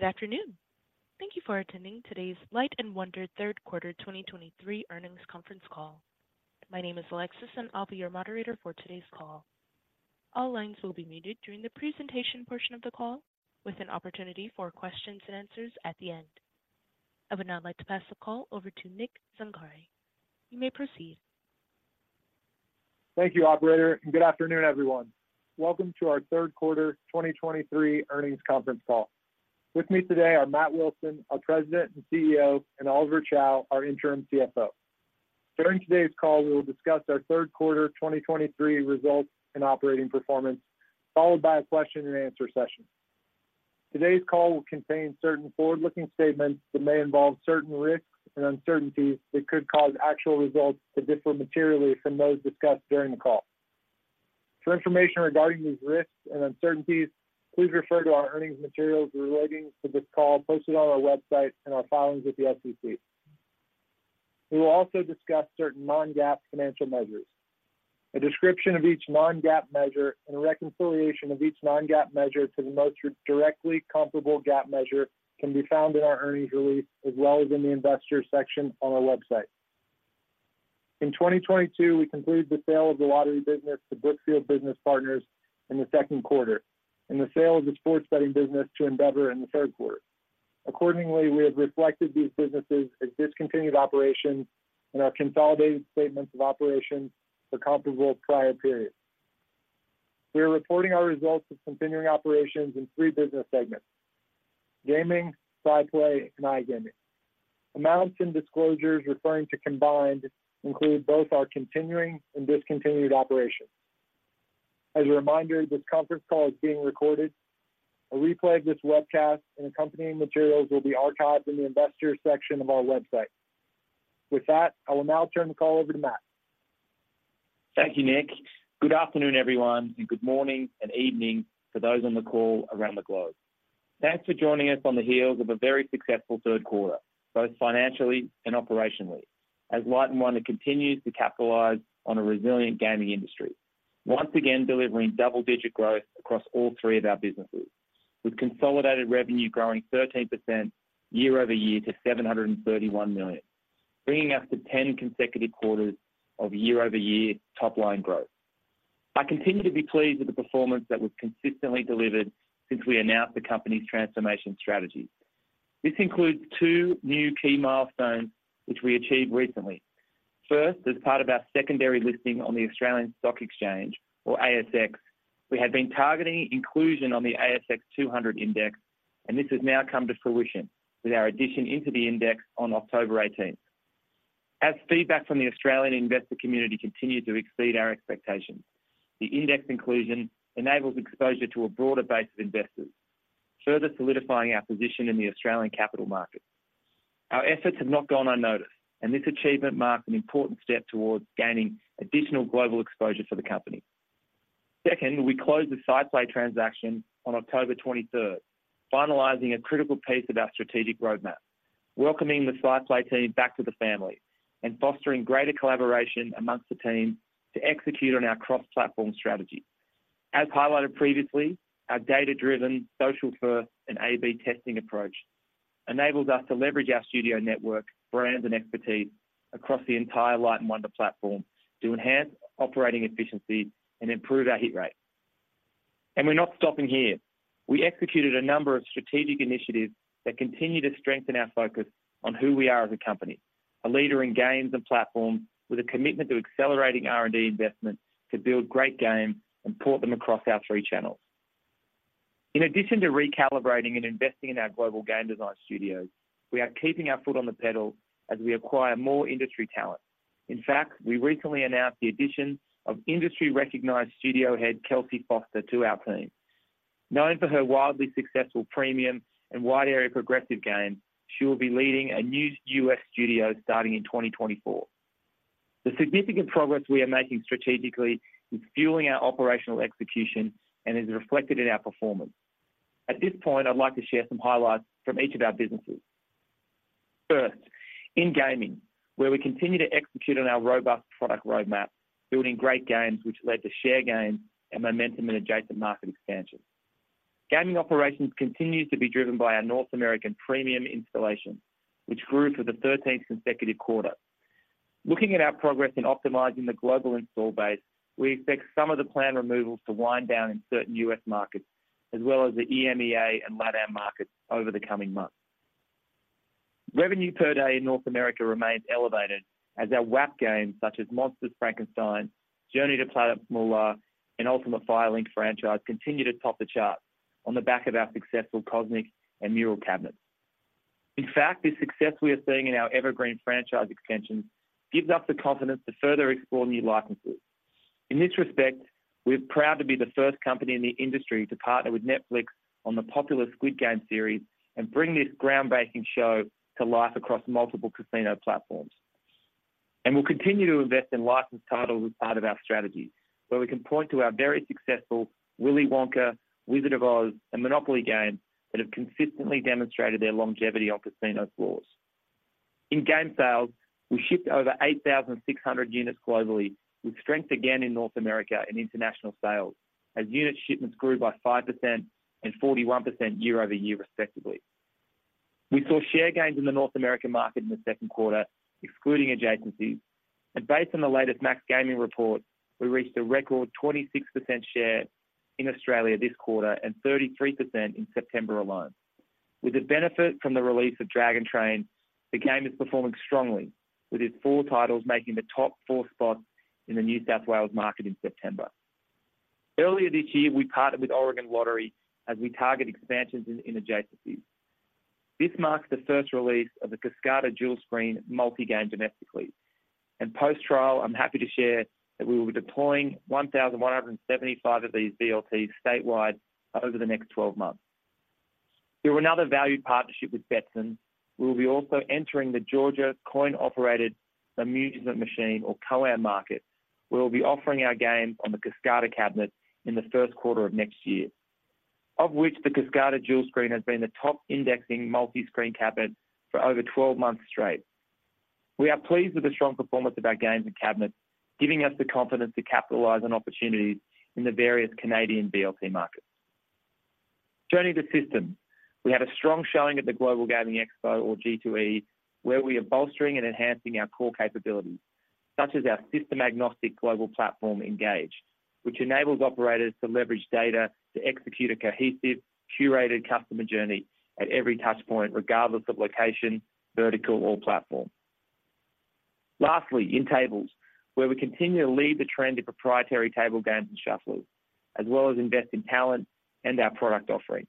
Good afternoon. Thank you for attending today's Light & Wonder Third Quarter 2023 earnings conference call. My name is Alexis, and I'll be your moderator for today's call. All lines will be muted during the presentation portion of the call, with an opportunity for questions and answers at the end. I would now like to pass the call over to Nick Zangari. You may proceed. Thank you, Operator, and good afternoon, everyone. Welcome to our Third Quarter 2023 earnings conference call. With me today are Matt Wilson, our President and CEO, and Oliver Chow, our Interim CFO. During today's call, we will discuss our Third Quarter 2023 results and operating performance, followed by a question and answer session. Today's call will contain certain forward-looking statements that may involve certain risks and uncertainties that could cause actual results to differ materially from those discussed during the call. For information regarding these risks and uncertainties, please refer to our earnings materials relating to this call posted on our website and our filings with the SEC. We will also discuss certain non-GAAP financial measures. A description of each non-GAAP measure and a reconciliation of each non-GAAP measure to the most directly comparable GAAP measure can be found in our earnings release, as well as in the investor section on our website. In 2022, we completed the sale of the lottery business to Brookfield Business Partners in the second quarter and the sale of the sports betting business to Endeavor in the third quarter. Accordingly, we have reflected these businesses as discontinued operations in our consolidated statements of operations for comparable prior periods. We are reporting our results of continuing operations in three business segments: gaming, SciPlay, and iGaming. Amounts and disclosures referring to combined include both our continuing and discontinued operations. As a reminder, this conference call is being recorded. A replay of this webcast and accompanying materials will be archived in the Investors section of our website. With that, I will now turn the call over to Matt. Thank you, Nick. Good afternoon, everyone, and good morning and evening for those on the call around the globe. Thanks for joining us on the heels of a very successful third quarter, both financially and operationally, as Light & Wonder continues to capitalize on a resilient gaming industry. Once again, delivering double-digit growth across all three of our businesses, with consolidated revenue growing 13% year-over-year to $731 million, bringing us to 10 consecutive quarters of year-over-year top-line growth. I continue to be pleased with the performance that we've consistently delivered since we announced the company's transformation strategy. This includes two new key milestones, which we achieved recently. First, as part of our secondary listing on the Australian Securities Exchange, or ASX, we had been targeting inclusion on the ASX 200 index, and this has now come to fruition with our addition into the index on October 18th. As feedback from the Australian investor community continued to exceed our expectations, the index inclusion enables exposure to a broader base of investors, further solidifying our position in the Australian capital market. Our efforts have not gone unnoticed, and this achievement marks an important step towards gaining additional global exposure for the company. Second, we closed the SciPlay transaction on October 23rd, finalizing a critical piece of our strategic roadmap, welcoming the SciPlay team back to the family and fostering greater collaboration among the team to execute on our cross-platform strategy. As highlighted previously, our data-driven, social-first, and A/B Testing approach enables us to leverage our studio network, brands, and expertise across the entire Light & Wonder platform to enhance operating efficiency and improve our hit rate. And we're not stopping here. We executed a number of strategic initiatives that continue to strengthen our focus on who we are as a company, a leader in games and platforms with a commitment to accelerating R&D investment to build great games and port them across our three channels. In addition to recalibrating and investing in our global game design studios, we are keeping our foot on the pedal as we acquire more industry talent. In fact, we recently announced the addition of industry-recognized Studio Head, Kelsey Foster to our team. Known for her wildly successful premium and wide area progressive games, she will be leading a new U.S. studio starting in 2024. The significant progress we are making strategically is fueling our operational execution and is reflected in our performance. At this point, I'd like to share some highlights from each of our businesses. First, in gaming, where we continue to execute on our robust product roadmap, building great games, which led to share gains and momentum in adjacent market expansion. Gaming operations continues to be driven by our North American premium installation, which grew for the 13th consecutive quarter. Looking at our progress in optimizing the global install base, we expect some of the planned removals to wind down in certain U.S. markets, as well as the EMEA and LATAM markets over the coming months. Revenue per day in North America remains elevated as our WAP games, such as Monsters Frankenstein, Journey to Planet Moolah, and Ultimate Fire Link franchise, continue to top the charts on the back of our successful Cosmic and Mural cabinets. In fact, the success we are seeing in our Evergreen franchise extension gives us the confidence to further explore new licenses. In this respect, we're proud to be the first company in the industry to partner with Netflix on the popular Squid Game series and bring this groundbreaking show to life across multiple casino platforms. And we'll continue to invest in licensed titles as part of our strategy, where we can point to our very successful Willy Wonka, Wizard of Oz, and Monopoly games that have consistently demonstrated their longevity on casino floors.... In game sales, we shipped over 8,600 units globally, with strength again in North America and international sales, as unit shipments grew by 5% and 41% year-over-year, respectively. We saw share gains in the North American market in the second quarter, excluding adjacencies, and based on the latest MaxGaming report, we reached a record 26% share in Australia this quarter and 33% in September alone. With the benefit from the release of Dragon Train, the game is performing strongly, with its four titles making the top 4 spots in the New South Wales market in September. Earlier this year, we partnered with Oregon Lottery as we target expansions in adjacencies. This marks the first release of the Cascada Dual Screen Multi-Game domestically. Post-trial, I'm happy to share that we will be deploying 1,175 of these VLTs statewide over the next 12 months. Through another valued partnership with Betson, we will be also entering the Georgia Coin Operated Amusement Machine or COAM market. We will be offering our game on the Cascada cabinet in the first quarter of next year, of which the Cascada dual screen has been the top indexing multiscreen cabinet for over 12 months straight. We are pleased with the strong performance of our games and cabinets, giving us the confidence to capitalize on opportunities in the various Canadian VLT markets. Turning to systems, we had a strong showing at the Global Gaming Expo or G2E, where we are bolstering and enhancing our core capabilities, such as our system-agnostic global platform, Engage, which enables operators to leverage data to execute a cohesive, curated customer journey at every touch point, regardless of location, vertical, or platform. Lastly, in tables, where we continue to lead the trend in proprietary table games and shufflers, as well as invest in talent and our product offering.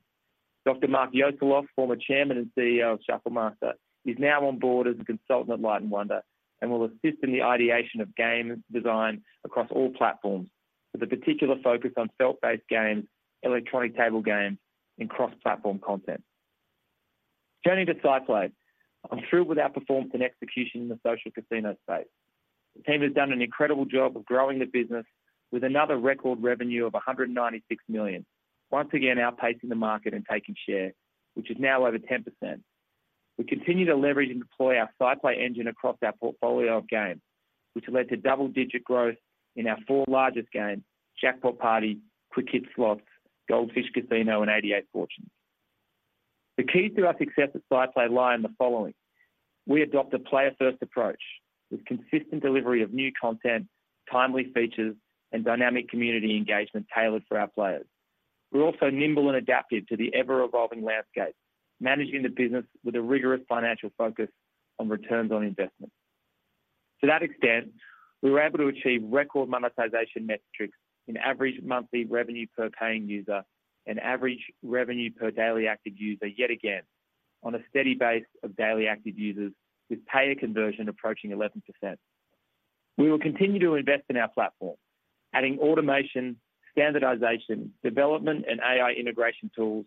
Dr. Mark Yoseloff, former Chairman and CEO of Shuffle Master, is now on board as a consultant at Light & Wonder, and will assist in the ideation of game design across all platforms, with a particular focus on felt-based games, electronic table games, and cross-platform content. Turning to SciPlay, I'm thrilled with our performance and execution in the social casino space. The team has done an incredible job of growing the business with another record revenue of $196 million. Once again, outpacing the market and taking share, which is now over 10%. We continue to leverage and deploy our SciPlay engine across our portfolio of games, which led to double-digit growth in our four largest games: Jackpot Party, Quick Hit Slots, Gold Fish Casino, and 88 Fortunes. The key to our success at SciPlay lie in the following: We adopt a player-first approach with consistent delivery of new content, timely features, and dynamic community engagement tailored for our players. We're also nimble and adaptive to the ever-evolving landscape, managing the business with a rigorous financial focus on returns on investment. To that extent, we were able to achieve record monetization metrics in average monthly revenue per paying user and average revenue per daily active user, yet again, on a steady base of daily active users with payer conversion approaching 11%. We will continue to invest in our platform, adding automation, standardization, development, and AI integration tools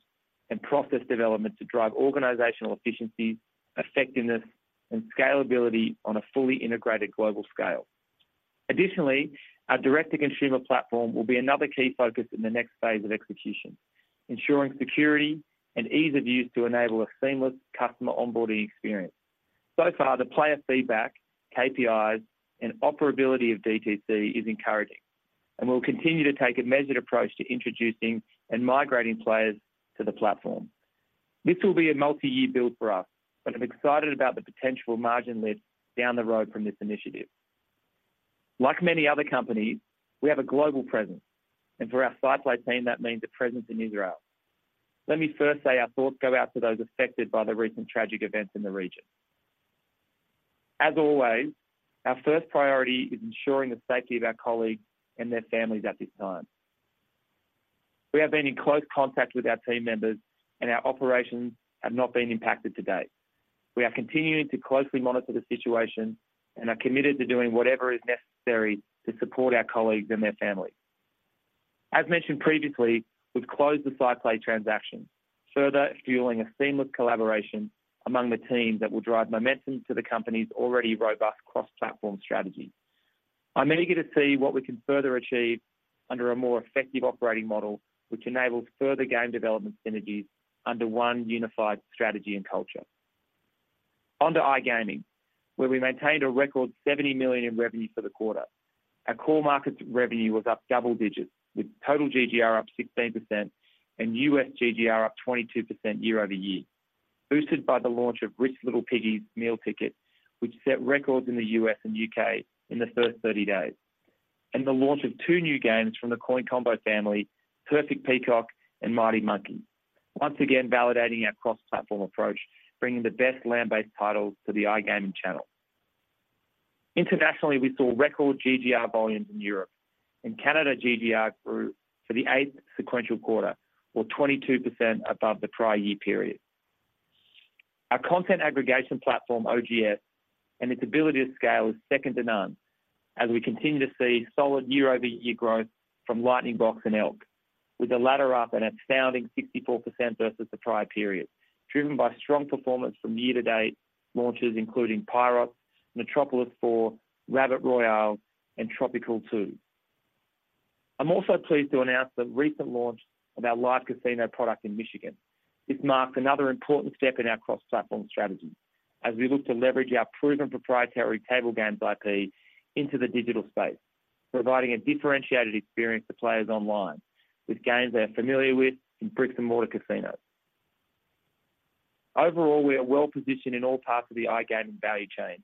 and process development to drive organizational efficiency, effectiveness, and scalability on a fully integrated global scale. Additionally, our direct-to-consumer platform will be another key focus in the next phase of execution, ensuring security and ease of use to enable a seamless customer onboarding experience. So far, the player feedback, KPIs, and operability of DTC is encouraging, and we'll continue to take a measured approach to introducing and migrating players to the platform. This will be a multi-year build for us, but I'm excited about the potential margin lift down the road from this initiative. Like many other companies, we have a global presence, and for our SciPlay team, that means a presence in Israel. Let me first say our thoughts go out to those affected by the recent tragic events in the region. As always, our first priority is ensuring the safety of our colleagues and their families at this time. We have been in close contact with our team members, and our operations have not been impacted to date. We are continuing to closely monitor the situation and are committed to doing whatever is necessary to support our colleagues and their families. As mentioned previously, we've closed the SciPlay transaction, further fueling a seamless collaboration among the teams that will drive momentum to the company's already robust cross-platform strategy. I'm eager to see what we can further achieve under a more effective operating model, which enables further game development synergies under one unified strategy and culture. On to iGaming, where we maintained a record $70 million in revenue for the quarter. Our core markets revenue was up double digits, with total GGR up 16% and US GGR up 22% year-over-year, boosted by the launch of Rich Little Piggies Meal Ticket, which set records in the U.S. and U.K. in the first 30 days, and the launch of two new games from the Coin Combo family, Perfect Peacock and Mighty Monkey. Once again, validating our cross-platform approach, bringing the best land-based titles to the iGaming channel. Internationally, we saw record GGR volumes in Europe. In Canada, GGR grew for the 8th sequential quarter, or 22% above the prior year period. Our content aggregation platform, OGS, and its ability to scale is second to none, as we continue to see solid year-over-year growth from Lightning Box and Elk, with the latter up an astounding 64% versus the prior period, driven by strong performance from year-to-date launches, including Pirots, Nitropolis 4, Rabbit Royale, and Tropicool 2.… I'm also pleased to announce the recent launch of our live casino product in Michigan. This marks another important step in our cross-platform strategy as we look to leverage our proven proprietary table games IP into the digital space, providing a differentiated experience for players online with games they are familiar with in bricks-and-mortar casinos. Overall, we are well-positioned in all parts of the iGaming value chain,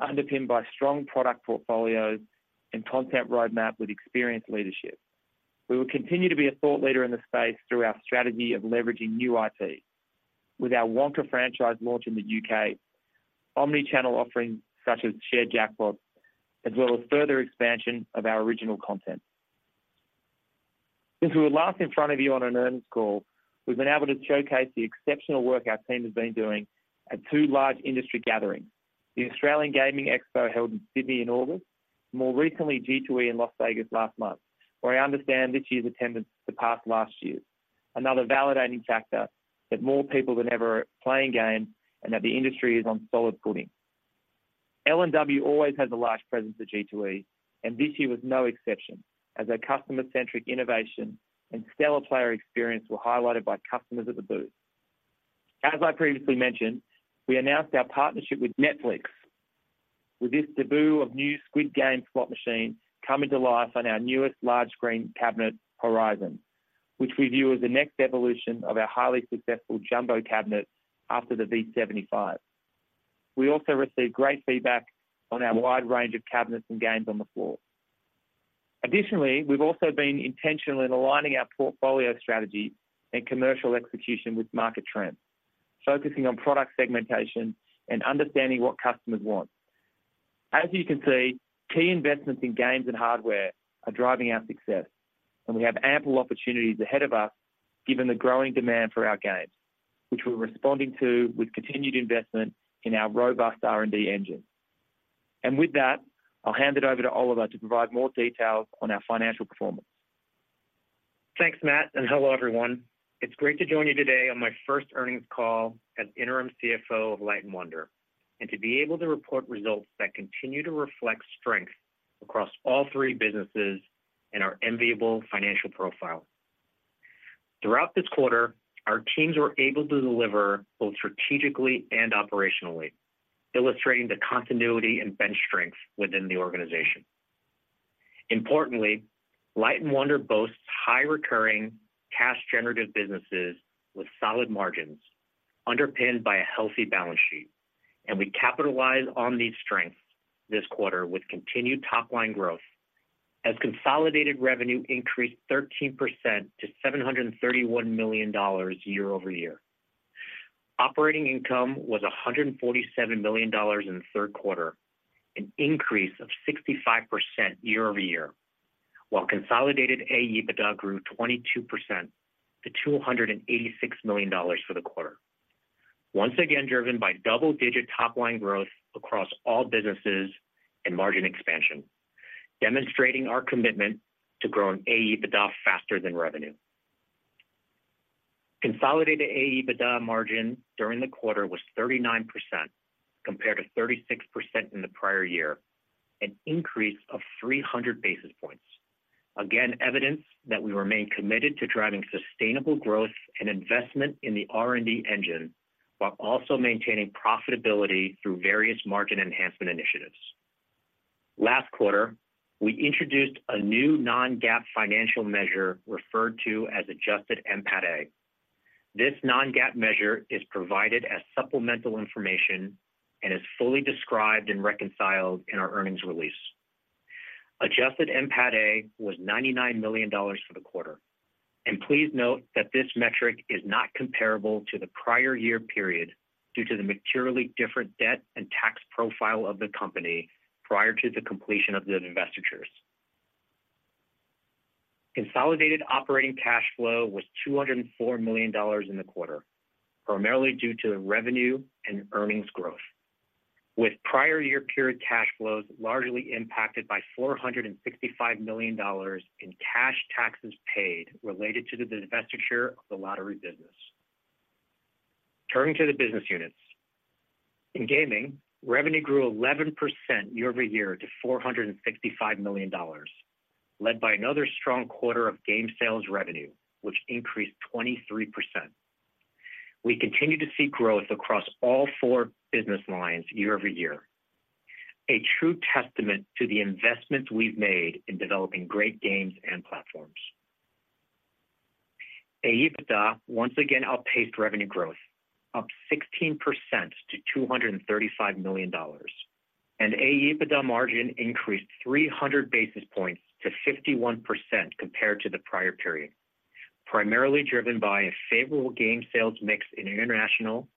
underpinned by strong product portfolios and content roadmap with experienced leadership. We will continue to be a thought leader in the space through our strategy of leveraging new IP with our Wonka franchise launch in the U.K., omni-channel offerings such as Shared Jackpot, as well as further expansion of our original content. Since we were last in front of you on an earnings call, we've been able to showcase the exceptional work our team has been doing at two large industry gatherings: the Australian Gaming Expo, held in Sydney in August, more recently, G2E in Las Vegas last month, where I understand this year's attendance surpassed last year. Another validating factor that more people than ever are playing games and that the industry is on solid footing. L&W always has a large presence at G2E, and this year was no exception, as our customer-centric innovation and stellar player experience were highlighted by customers at the booth. As I previously mentioned, we announced our partnership with Netflix, with this debut of new Squid Game slot machine coming to life on our newest large-screen cabinet, Horizon, which we view as the next evolution of our highly successful jumbo cabinet after the V75. We also received great feedback on our wide range of cabinets and games on the floor. Additionally, we've also been intentional in aligning our portfolio strategy and commercial execution with market trends, focusing on product segmentation and understanding what customers want. As you can see, key investments in games and hardware are driving our success, and we have ample opportunities ahead of us, given the growing demand for our games, which we're responding to with continued investment in our robust R&D engine. And with that, I'll hand it over to Oliver to provide more details on our financial performance. Thanks, Matt, and hello, everyone. It's great to join you today on my first earnings call as interim CFO of Light & Wonder, and to be able to report results that continue to reflect strength across all three businesses and our enviable financial profile. Throughout this quarter, our teams were able to deliver both strategically and operationally, illustrating the continuity and bench strength within the organization. Importantly, Light & Wonder boasts high recurring cash-generative businesses with solid margins, underpinned by a healthy balance sheet, and we capitalized on these strengths this quarter with continued top-line growth, as consolidated revenue increased 13% to $731 million year-over-year. Operating income was $147 million in the third quarter, an increase of 65% year-over-year, while consolidated AEBITDA grew 22% to $286 million for the quarter. Once again, driven by double-digit top-line growth across all businesses and margin expansion, demonstrating our commitment to growing AEBITDA faster than revenue. Consolidated AEBITDA margin during the quarter was 39%, compared to 36% in the prior year, an increase of 300 basis points. Again, evidence that we remain committed to driving sustainable growth and investment in the R&D engine, while also maintaining profitability through various margin enhancement initiatives. Last quarter, we introduced a new non-GAAP financial measure referred to as adjusted NPATA. This non-GAAP measure is provided as supplemental information and is fully described and reconciled in our earnings release. Adjusted NPATA was $99 million for the quarter, and please note that this metric is not comparable to the prior year period due to the materially different debt and tax profile of the company prior to the completion of the divestitures. Consolidated operating cash flow was $204 million in the quarter, primarily due to the revenue and earnings growth, with prior year period cash flows largely impacted by $465 million in cash taxes paid related to the divestiture of the lottery business. Turning to the business units. In gaming, revenue grew 11% year-over-year to $465 million, led by another strong quarter of game sales revenue, which increased 23%. We continue to see growth across all four business lines year-over-year, a true testament to the investments we've made in developing great games and platforms. AEBITDA once again outpaced revenue growth, up 16% to $235 million, and AEBITDA margin increased 300 basis points to 51% compared to the prior period, primarily driven by a favorable game sales mix in international,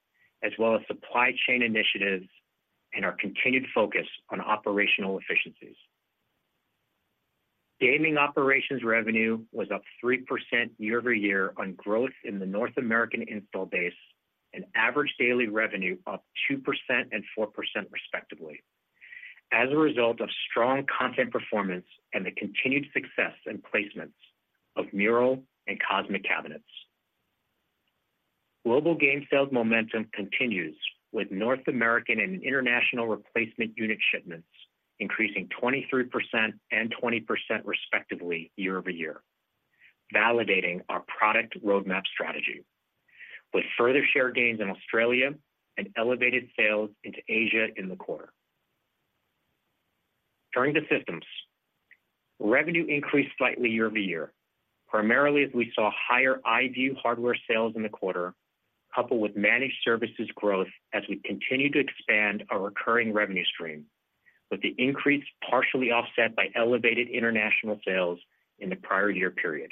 as well as supply chain initiatives and our continued focus on operational efficiencies. Gaming operations revenue was up 3% year-over-year on growth in the North American install base and average daily revenue up 2% and 4%, respectively, as a result of strong content performance and the continued success and placements of Mural and Cosmic cabinets. Global game sales momentum continues, with North American and international replacement unit shipments increasing 23% and 20% respectively year-over-year, validating our product roadmap strategy, with further share gains in Australia and elevated sales into Asia in the quarter. Turning to systems. Revenue increased slightly year-over-year, primarily as we saw higher iView hardware sales in the quarter, coupled with managed services growth as we continue to expand our recurring revenue stream, with the increase partially offset by elevated international sales in the prior year period.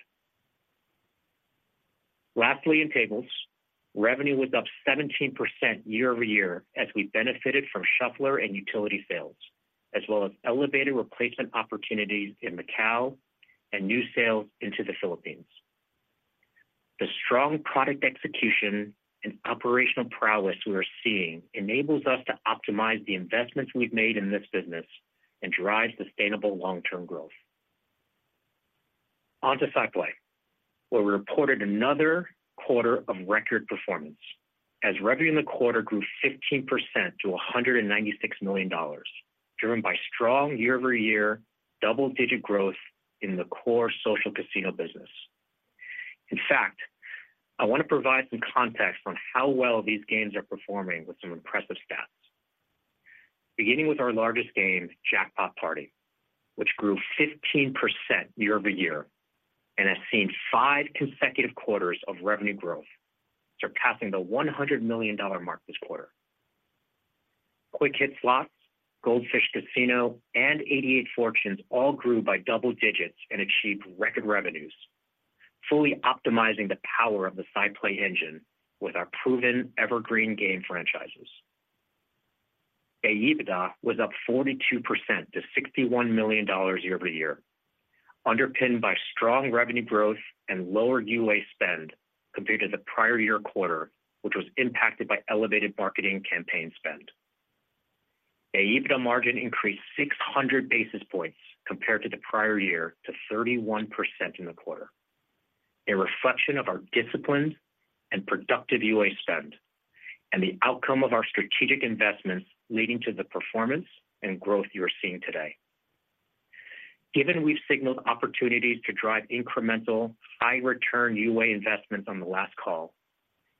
Lastly, in tables, revenue was up 17% year-over-year as we benefited from shuffler and utility sales, as well as elevated replacement opportunities in Macau and new sales into the Philippines. The strong product execution and operational prowess we are seeing enables us to optimize the investments we've made in this business and drive sustainable long-term growth. Onto SciPlay, where we reported another quarter of record performance, as revenue in the quarter grew 15% to $196 million, driven by strong year-over-year double-digit growth in the core social casino business. In fact, I want to provide some context on how well these games are performing with some impressive stats. Beginning with our largest game, Jackpot Party, which grew 15% year-over-year and has seen five consecutive quarters of revenue growth, surpassing the $100 million mark this quarter. Quick Hit Slots, Gold Fish Casino, and 88 Fortunes all grew by double digits and achieved record revenues, fully optimizing the power of the SciPlay engine with our proven evergreen game franchises. AEBITDA was up 42% to $61 million year-over-year, underpinned by strong revenue growth and lower UA spend compared to the prior year quarter, which was impacted by elevated marketing campaign spend. AEBITDA margin increased 600 basis points compared to the prior year to 31% in the quarter, a reflection of our disciplined and productive UA spend and the outcome of our strategic investments leading to the performance and growth you are seeing today. Given we've signaled opportunities to drive incremental, high-return UA investments on the last call,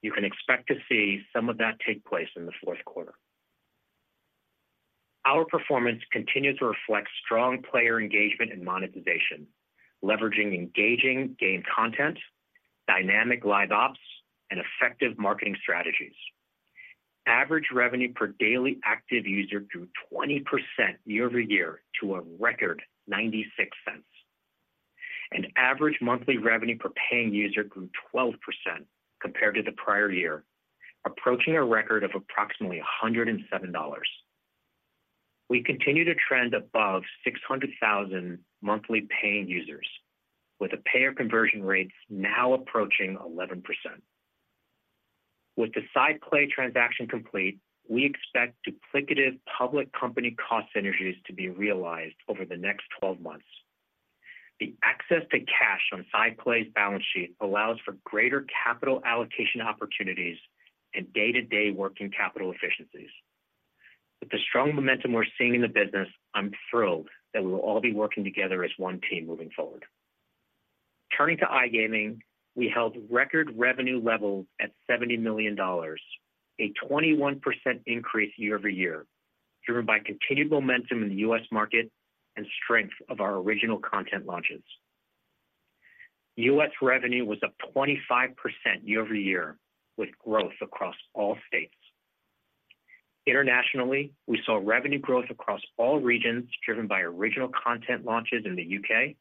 you can expect to see some of that take place in the fourth quarter. Our performance continues to reflect strong player engagement and monetization, leveraging engaging game content, dynamic live ops, and effective marketing strategies. Average revenue per daily active user grew 20% year-over-year to a record $0.96, and average monthly revenue per paying user grew 12% compared to the prior year, approaching a record of approximately $107. We continue to trend above 600,000 monthly paying users, with the payer conversion rates now approaching 11%. With the SciPlay transaction complete, we expect duplicative public company cost synergies to be realized over the next 12 months. The access to cash on SciPlay's balance sheet allows for greater capital allocation opportunities and day-to-day working capital efficiencies. With the strong momentum we're seeing in the business, I'm thrilled that we will all be working together as one team moving forward. Turning to iGaming, we held record revenue levels at $70 million, a 21% increase year-over-year, driven by continued momentum in the U.S. market and strength of our original content launches. U.S. revenue was up 25% year-over-year, with growth across all states. Internationally, we saw revenue growth across all regions, driven by original content launches in the U.K.,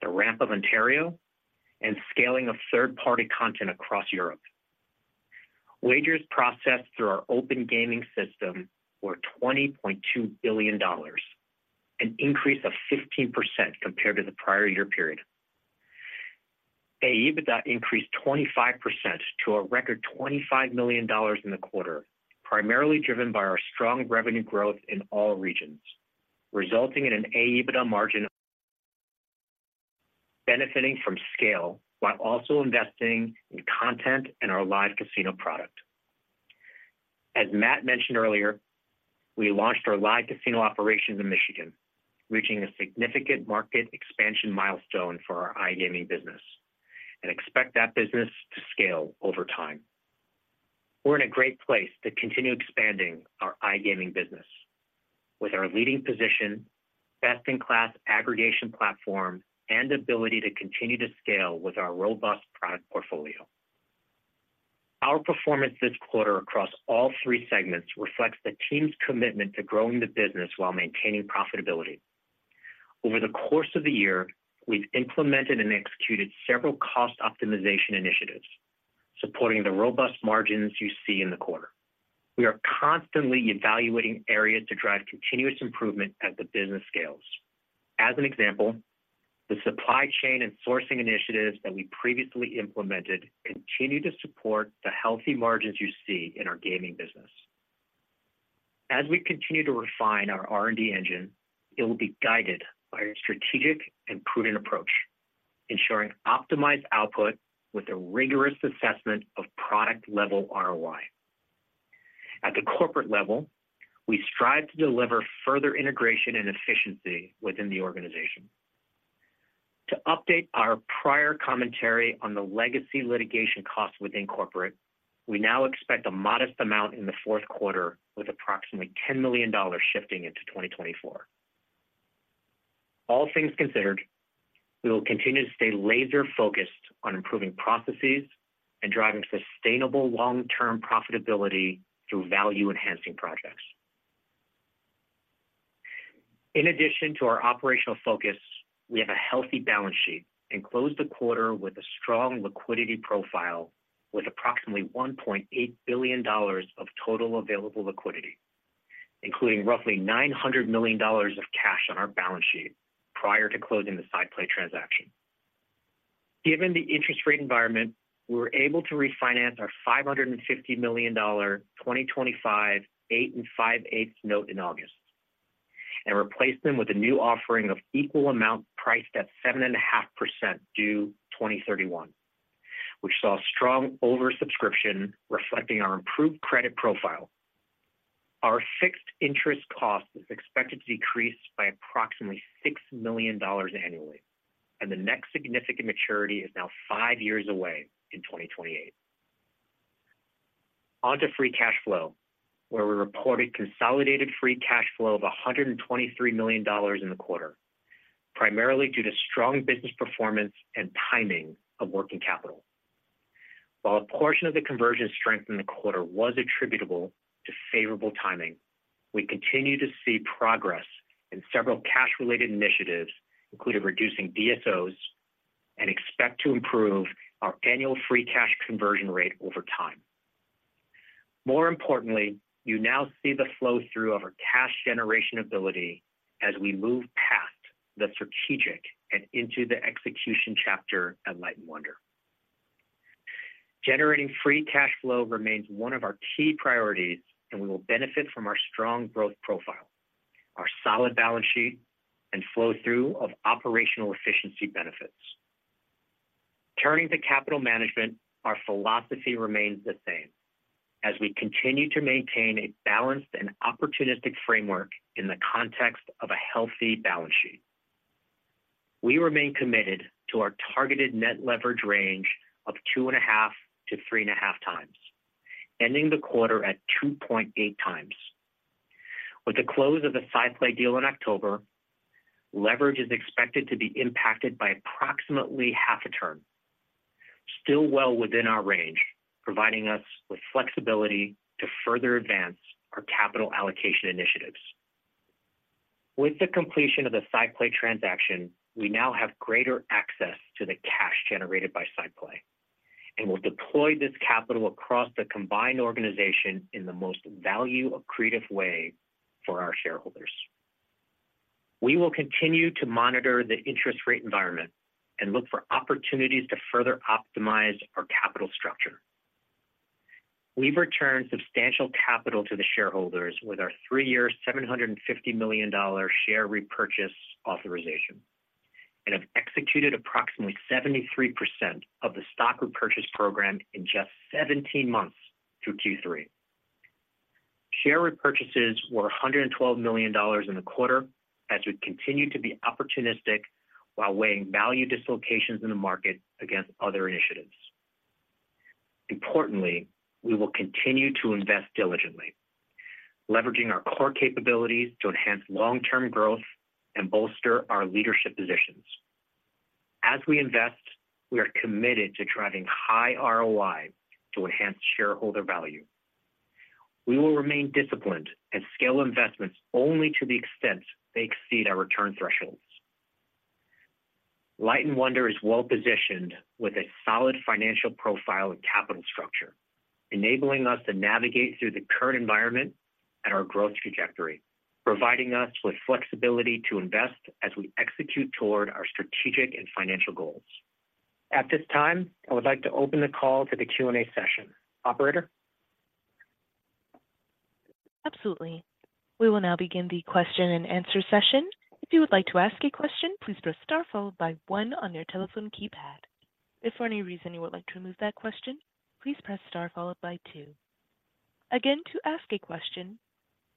the ramp of Ontario, and scaling of third-party content across Europe. Wagers processed through our open gaming system were $20.2 billion, an increase of 15% compared to the prior year period. AEBITDA increased 25% to a record $25 million in the quarter, primarily driven by our strong revenue growth in all regions, resulting in an AEBITDA margin benefiting from scale while also investing in content and our live casino product. As Matt mentioned earlier, we launched our live casino operations in Michigan, reaching a significant market expansion milestone for our iGaming business, and expect that business to scale over time. We're in a great place to continue expanding our iGaming business with our leading position, best-in-class aggregation platform, and ability to continue to scale with our robust product portfolio. Our performance this quarter across all three segments reflects the team's commitment to growing the business while maintaining profitability. Over the course of the year, we've implemented and executed several cost optimization initiatives, supporting the robust margins you see in the quarter. We are constantly evaluating areas to drive continuous improvement as the business scales. As an example, the supply chain and sourcing initiatives that we previously implemented continue to support the healthy margins you see in our gaming business. As we continue to refine our R&D engine, it will be guided by a strategic and prudent approach, ensuring optimized output with a rigorous assessment of product-level ROI. At the corporate level, we strive to deliver further integration and efficiency within the organization. To update our prior commentary on the legacy litigation costs within corporate, we now expect a modest amount in the fourth quarter, with approximately $10 million shifting into 2024. All things considered, we will continue to stay laser-focused on improving processes and driving sustainable long-term profitability through value-enhancing projects. In addition to our operational focus, we have a healthy balance sheet and closed the quarter with a strong liquidity profile, with approximately $1.8 billion of total available liquidity, including roughly $900 million of cash on our balance sheet prior to closing the SciPlay transaction. Given the interest rate environment, we were able to refinance our $550 million 2025, 8%-5/8% note in August and replaced them with a new offering of equal amount, priced at 7.5% due 2031. We saw strong oversubscription, reflecting our improved credit profile. Our fixed interest cost is expected to decrease by approximately $6 million annually, and the next significant maturity is now five years away in 2028. On to free cash flow, where we reported consolidated free cash flow of $123 million in the quarter, primarily due to strong business performance and timing of working capital. While a portion of the conversion strength in the quarter was attributable to favorable timing, we continue to see progress in several cash-related initiatives, including reducing DSOs, and expect to improve our annual free cash conversion rate over time. More importantly, you now see the flow-through of our cash generation ability as we move past the strategic and into the execution chapter at Light & Wonder. Generating free cash flow remains one of our key priorities, and we will benefit from our strong growth profile, our solid balance sheet, and flow-through of operational efficiency benefits. Turning to capital management, our philosophy remains the same as we continue to maintain a balanced and opportunistic framework in the context of a healthy balance sheet. We remain committed to our targeted net leverage range of 2.5x to 3.5x, ending the quarter at 2.8x. With the close of the SciPlay deal in October, leverage is expected to be impacted by approximately half a turn, still well within our range, providing us with flexibility to further advance our capital allocation initiatives. With the completion of the SciPlay transaction, we now have greater access to the cash generated by SciPlay, and we'll deploy this capital across the combined organization in the most value-accretive way for our shareholders. We will continue to monitor the interest rate environment and look for opportunities to further optimize our capital structure. We've returned substantial capital to the shareholders with our three-year, $750 million share repurchase authorization and have executed approximately 73% of the stock repurchase program in just 17 months through Q3. Share repurchases were $112 million in the quarter, as we continue to be opportunistic while weighing value dislocations in the market against other initiatives. Importantly, we will continue to invest diligently, leveraging our core capabilities to enhance long-term growth and bolster our leadership positions. As we invest, we are committed to driving high ROI to enhance shareholder value. We will remain disciplined and scale investments only to the extent they exceed our return thresholds. Light & Wonder is well positioned with a solid financial profile and capital structure, enabling us to navigate through the current environment and our growth trajectory, providing us with flexibility to invest as we execute toward our strategic and financial goals. At this time, I would like to open the call to the Q&A session. Operator? Absolutely. We will now begin the question-and-answer session. If you would like to ask a question, please press star followed by one on your telephone keypad. If for any reason you would like to remove that question, please press star followed by two. Again, to ask a question,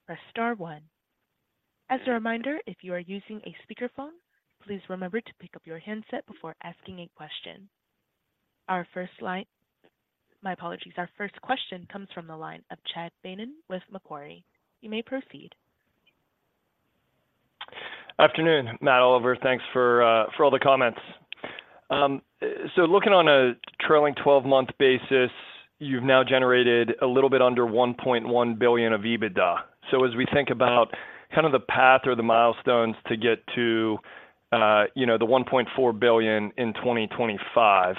press star one. As a reminder, if you are using a speakerphone, please remember to pick up your handset before asking a question. Our first line... My apologies. Our first question comes from the line of Chad Beynon with Macquarie. You may proceed. Afternoon, Matt, Oliver. Thanks for, for all the comments. So looking on a trailing 12-month basis, you've now generated a little bit under $1.1 billion of EBITDA. So as we think about kind of the path or the milestones to get to, you know, the $1.4 billion in 2025,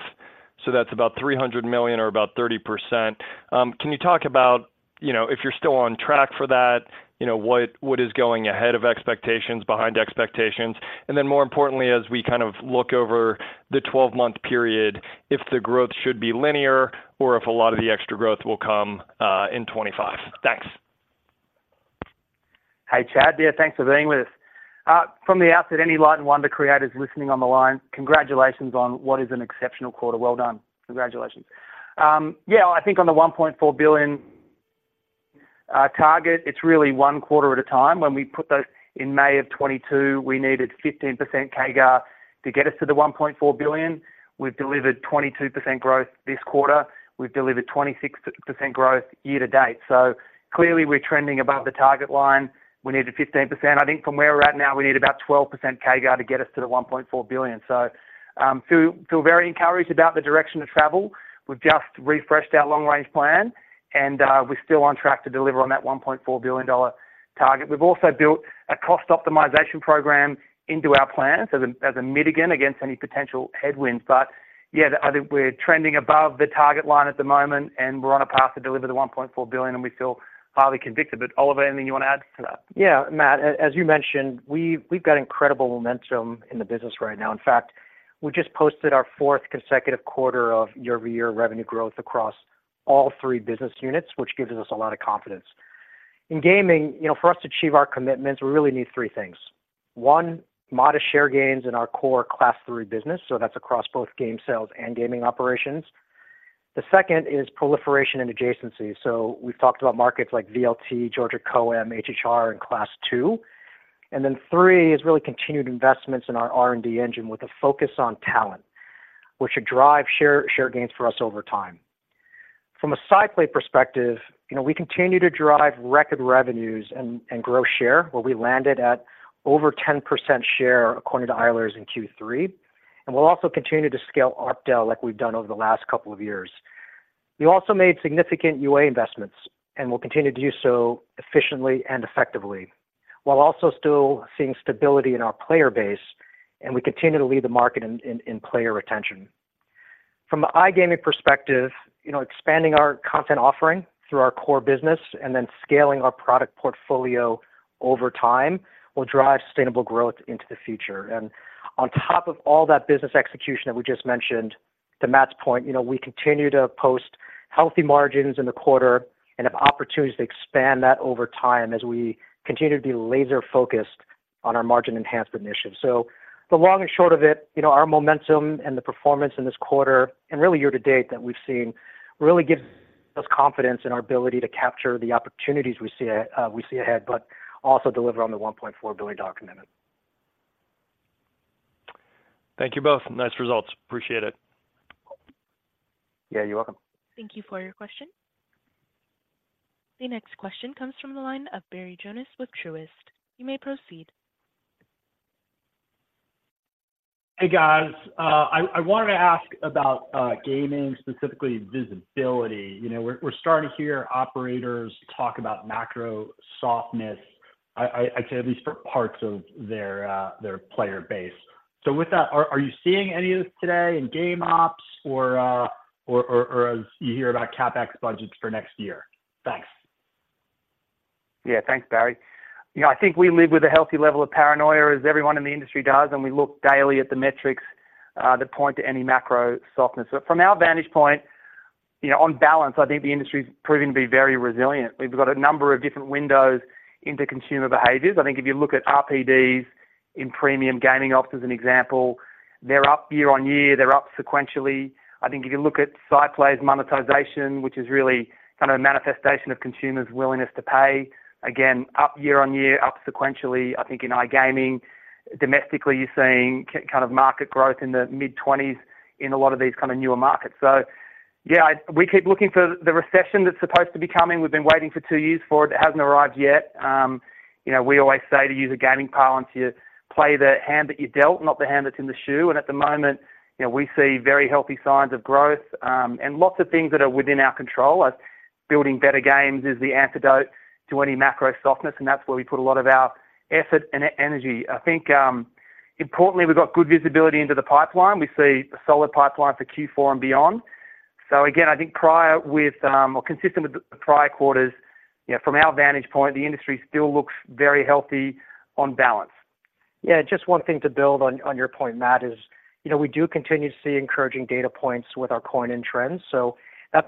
so that's about $300 million or about 30%, can you talk about, you know, if you're still on track for that? You know, what, what is going ahead of expectations, behind expectations? And then more importantly, as we kind of look over the 12-month period, if the growth should be linear or if a lot of the extra growth will come, in 2025. Thanks. ...Hey, Chad. Yeah, thanks for being with us. From the outset, any Light & Wonder creators listening on the line, congratulations on what is an exceptional quarter. Well done. Congratulations. Yeah, I think on the $1.4 billion target, it's really 1/4 at a time. When we put those in May of 2022, we needed 15% CAGR to get us to the $1.4 billion. We've delivered 22% growth this quarter. We've delivered 26% growth year to date. So clearly we're trending above the target line. We need a 15%. I think from where we're at now, we need about 12% CAGR to get us to the $1.4 billion. So, feel, feel very encouraged about the direction of travel. We've just refreshed our long range plan, and we're still on track to deliver on that $1.4 billion target. We've also built a cost optimization program into our plans as a mitigant against any potential headwinds. But yeah, I think we're trending above the target line at the moment, and we're on a path to deliver the $1.4 billion, and we feel highly convicted. But Oliver, anything you want to add to that? Yeah, Matt, as you mentioned, we've got incredible momentum in the business right now. In fact, we just posted our fourth consecutive quarter of year-over-year revenue growth across all three business units, which gives us a lot of confidence. In gaming, you know, for us to achieve our commitments, we really need three things. One, modest share gains in our core Class 3 business, so that's across both game sales and gaming operations. The second is proliferation and adjacency. So we've talked about markets like VLT, Georgia COAM, HHR, and Class 2. And then three is really continued investments in our R&D engine with a focus on talent, which should drive share gains for us over time. From a SciPlay perspective, you know, we continue to drive record revenues and, and grow share, where we landed at over 10% share, according to Eilers in Q3, and we'll also continue to scale OpDel like we've done over the last couple of years. We also made significant UA investments, and we'll continue to do so efficiently and effectively, while also still seeing stability in our player base, and we continue to lead the market in, in, in player retention. From an iGaming perspective, you know, expanding our content offering through our core business and then scaling our product portfolio over time will drive sustainable growth into the future. On top of all that business execution that we just mentioned, to Matt's point, you know, we continue to post healthy margins in the quarter and have opportunities to expand that over time as we continue to be laser-focused on our margin enhancement initiative. So the long and short of it, you know, our momentum and the performance in this quarter, and really year to date that we've seen, really gives us confidence in our ability to capture the opportunities we see, we see ahead, but also deliver on the $1.4 billion document. Thank you both. Nice results. Appreciate it. Yeah, you're welcome. Thank you for your question. The next question comes from the line of Barry Jonas with Truist. You may proceed. Hey, guys. I wanted to ask about gaming, specifically visibility. You know, we're starting to hear operators talk about macro softness. I'd say, at least for parts of their player base. So with that, are you seeing any of this today in game ops or as you hear about CapEx budgets for next year? Thanks. Yeah. Thanks, Barry. You know, I think we live with a healthy level of paranoia, as everyone in the industry does, and we look daily at the metrics that point to any macro softness. But from our vantage point, you know, on balance, I think the industry's proven to be very resilient. We've got a number of different windows into consumer behaviors. I think if you look at RPDs in premium gaming ops, as an example, they're up year-over-year, they're up sequentially. I think if you look at site plays monetization, which is really kind of a manifestation of consumers' willingness to pay, again, up year-over-year, up sequentially, I think in iGaming. Domestically, you're seeing kind of market growth in the mid-20s% in a lot of these kind of newer markets. So yeah, I... We keep looking for the recession that's supposed to be coming. We've been waiting for two years for it. It hasn't arrived yet. You know, we always say, to use a gaming parlance, you play the hand that you're dealt, not the hand that's in the shoe. And at the moment, you know, we see very healthy signs of growth, and lots of things that are within our control, like building better games is the antidote to any macro softness, and that's where we put a lot of our effort and energy. I think, importantly, we've got good visibility into the pipeline. We see a solid pipeline for Q4 and beyond. So again, I think prior with, or consistent with the prior quarters, you know, from our vantage point, the industry still looks very healthy on balance. Yeah, just one thing to build on, on your point, Matt, is, you know, we do continue to see encouraging data points with our coin-in trends. So that's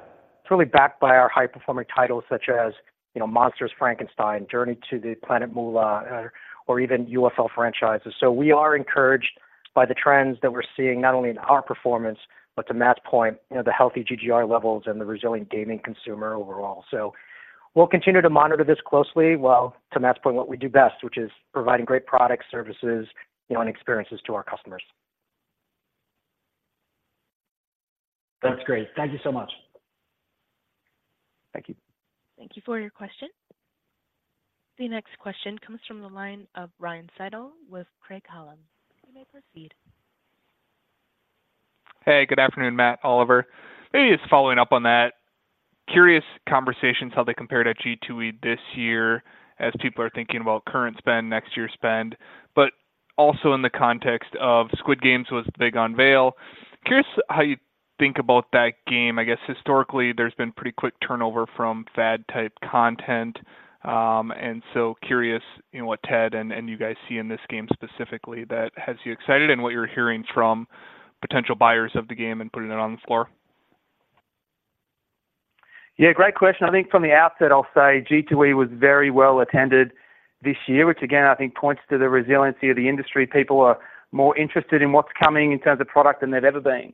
really backed by our high-performing titles, such as, you know, Monsters Frankenstein, Journey to Planet Moolah, or even UFL franchises. So we are encouraged by the trends that we're seeing, not only in our performance, but to Matt's point, you know, the healthy GGR levels and the resilient gaming consumer overall. So we'll continue to monitor this closely, while to Matt's point, what we do best, which is providing great products, services, you know, and experiences to our customers. That's great. Thank you so much. Thank you. Thank you for your question. The next question comes from the line of Ryan Sigdahl with Craig-Hallum. You may proceed. Hey, good afternoon, Matt, Oliver. Maybe just following up on that, curious conversations, how they compared at G2E this year, as people are thinking about current spend, next year spend, but also in the context of Squid Game was big unveil. Curious how you think about that game. I guess historically, there's been pretty quick turnover from fad-type content, and so curious, you know, what Ted and you guys see in this game specifically that has you excited, and what you're hearing from potential buyers of the game and putting it on the floor? ... Yeah, great question. I think from the outset, I'll say, G2E was very well attended this year, which again, I think points to the resiliency of the industry. People are more interested in what's coming in terms of product than they've ever been.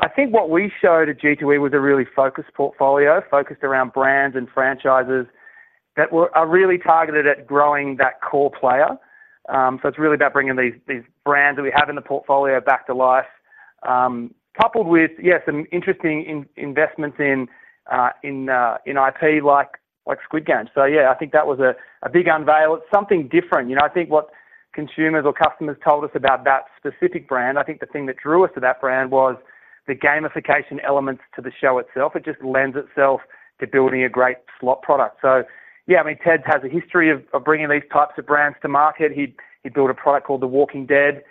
I think what we showed at G2E was a really focused portfolio, focused around brands and franchises that were-- are really targeted at growing that core player. So it's really about bringing these brands that we have in the portfolio back to life, coupled with, yeah, some interesting investments in IP like Squid Game. So yeah, I think that was a big unveil. It's something different. You know, I think what consumers or customers told us about that specific brand, I think the thing that drew us to that brand was the gamification elements to the show itself. It just lends itself to building a great slot product. So yeah, I mean, Ted has a history of bringing these types of brands to market. He'd built a product called The Walking Dead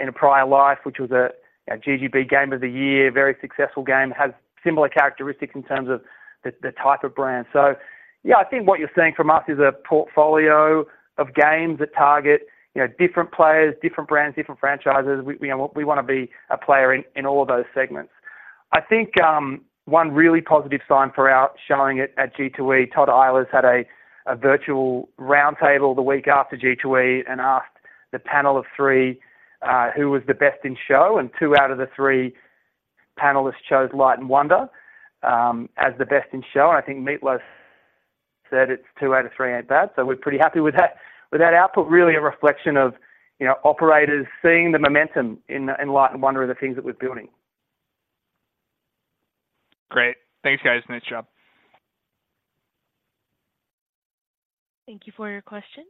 in a prior life, which was a G2E game of the year, very successful game, has similar characteristics in terms of the type of brand. So yeah, I think what you're seeing from us is a portfolio of games that target, you know, different players, different brands, different franchises. We wanna be a player in all of those segments. I think, one really positive sign for our showing at G2E, Todd Eilers had a virtual roundtable the week after G2E and asked the panel of three, who was the best in show, and two out of the three panelists chose Light & Wonder, as the best in show. And I think Meat Loaf said it's two out of three ain't bad, so we're pretty happy with that. With that output, really a reflection of, you know, operators seeing the momentum in Light & Wonder and the things that we're building. Great. Thanks, guys. Nice job. Thank you for your question.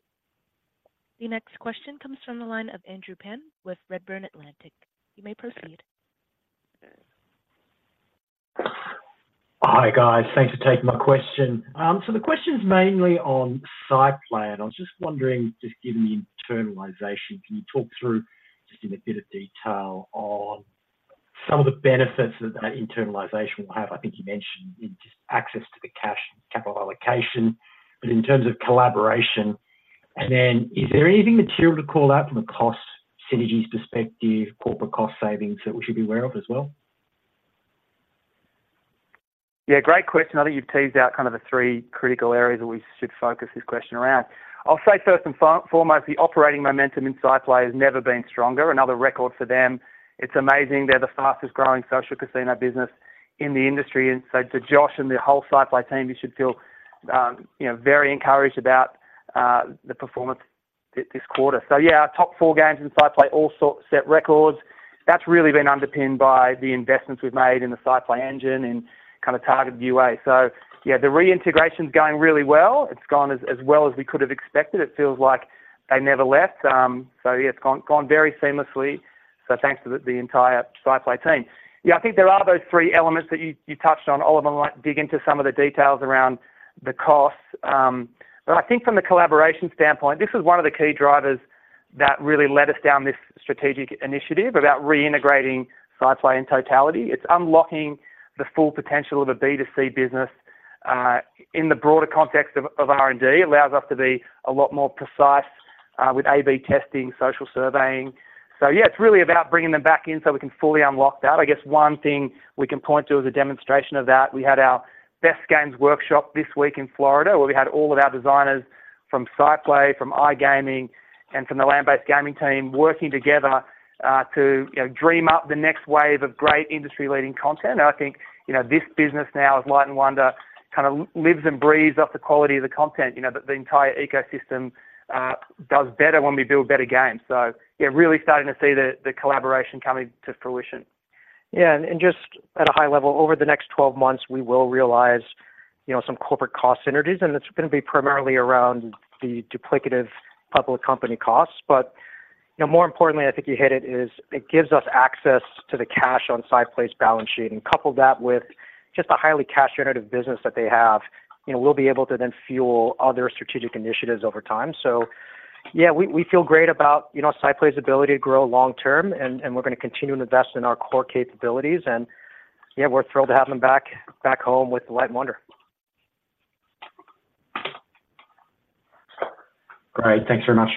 The next question comes from the line of Andrew Penn with Redburn Atlantic. You may proceed. Hi, guys. Thanks for taking my question. So the question is mainly on SciPlay, and I was just wondering, just given the internalization, can you talk through, just in a bit of detail on some of the benefits that that internalization will have? I think you mentioned just access to the cash capital allocation, but in terms of collaboration, and then is there anything material to call out from a cost synergies perspective, corporate cost savings that we should be aware of as well? Yeah, great question. I think you've teased out kind of the three critical areas that we should focus this question around. I'll say first and foremost, the operating momentum in SciPlay has never been stronger. Another record for them. It's amazing, they're the fastest-growing social casino business in the industry. And so to Josh and the whole SciPlay team, you should feel, you know, very encouraged about the performance this quarter. So yeah, our top four games in SciPlay all sort set records. That's really been underpinned by the investments we've made in the SciPlay engine and kind of targeted UA. So yeah, the reintegration is going really well. It's gone as, as well as we could have expected. It feels like they never left. So yeah, it's gone, gone very seamlessly. So thanks to the entire SciPlay team. Yeah, I think there are those three elements that you touched on. Oliver might dig into some of the details around the costs, but I think from the collaboration standpoint, this is one of the key drivers that really led us down this strategic initiative about reintegrating SciPlay in totality. It's unlocking the full potential of a B2C business in the broader context of R&D. Allows us to be a lot more precise with A/B testing, social surveying. So yeah, it's really about bringing them back in so we can fully unlock that. I guess one thing we can point to as a demonstration of that, we had our best games workshop this week in Florida, where we had all of our designers from SciPlay, from iGaming, and from the land-based gaming team working together, to, you know, dream up the next wave of great industry-leading content. And I think, you know, this business now is Light & Wonder, kind of lives and breathes off the quality of the content, you know, that the entire ecosystem does better when we build better games. So yeah, really starting to see the collaboration coming to fruition. Yeah, and, and just at a high level, over the next 12 months, we will realize, you know, some corporate cost synergies, and it's gonna be primarily around the duplicative public company costs. But, you know, more importantly, I think you hit it, is it gives us access to the cash on SciPlay's balance sheet, and couple that with just a highly cash generative business that they have. You know, we'll be able to then fuel other strategic initiatives over time. So yeah, we, we feel great about, you know, SciPlay's ability to grow long term, and, and we're gonna continue to invest in our core capabilities, and, yeah, we're thrilled to have them back, back home with Light & Wonder. Great. Thanks very much.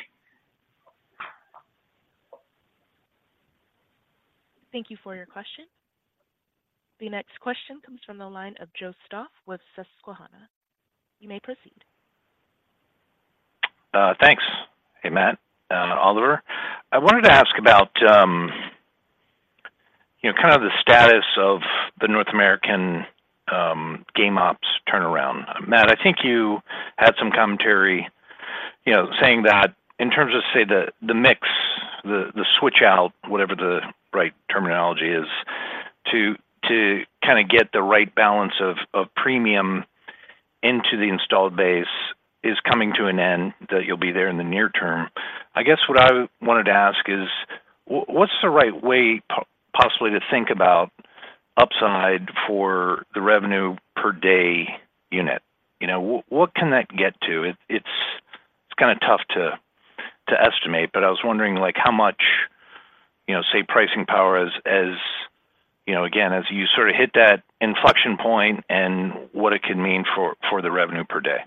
Thank you for your question. The next question comes from the line of Joe Stauff with Susquehanna. You may proceed. Thanks. Hey, Matt, and Oliver. I wanted to ask about, you know, kind of the status of the North American game ops turnaround. Matt, I think you had some commentary, you know, saying that in terms of, say, the mix, the switch out, whatever the right terminology is, to kind of get the right balance of premium into the installed base is coming to an end, that you'll be there in the near term. I guess what I wanted to ask is, what's the right way possibly to think about upside for the revenue per day unit? You know, what can that get to? It's kind of tough to estimate, but I was wondering, like, how much, you know, say, pricing power as, you know, again, as you sort of hit that inflection point and what it could mean for the revenue per day?...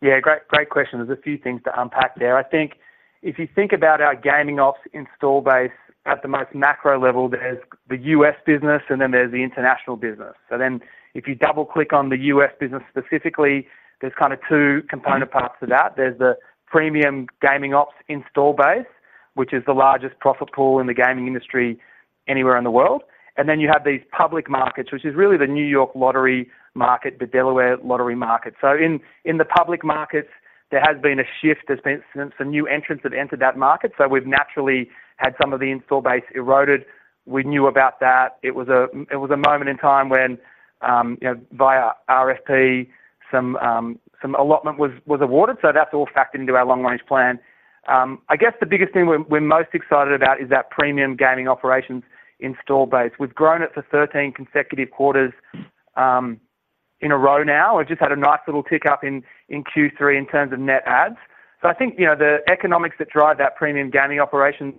Yeah, great, great question. There's a few things to unpack there. I think if you think about our gaming ops install base at the most macro level, there's the U.S. business, and then there's the international business. So then if you double-click on the U.S. business, specifically, there's kind of two component parts to that. There's the premium gaming ops install base, which is the largest profit pool in the gaming industry anywhere in the world. And then you have these public markets, which is really the New York Lottery market, the Delaware Lottery market. So in, in the public markets, there has been a shift. There's been some new entrants have entered that market, so we've naturally had some of the install base eroded. We knew about that. It was a moment in time when, you know, via RFP, some, some allotment was, was awarded, so that's all factored into our long range plan. I guess the biggest thing we're, we're most excited about is that premium gaming operations install base. We've grown it for 13 consecutive quarters, in a row now, and just had a nice little tick-up in, in Q3 in terms of net adds. So I think, you know, the economics that drive that premium gaming operation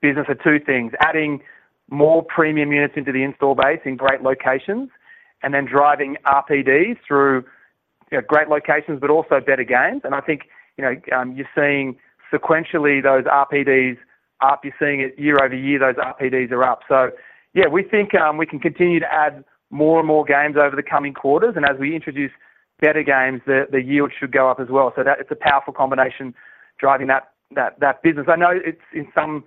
business are two things: adding more premium units into the install base in great locations, and then driving RPDs through, you know, great locations, but also better games. And I think, you know, you're seeing sequentially, those RPDs up. You're seeing it year-over-year, those RPDs are up. So yeah, we think we can continue to add more and more games over the coming quarters, and as we introduce better games, the yield should go up as well. So that's a powerful combination driving that business. I know it's in some